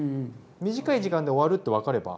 短い時間で終わるって分かれば。